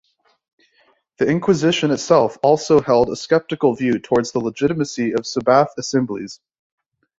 The Inquisition itself also held a skeptical view toward the legitimacy of Sabbath Assemblies.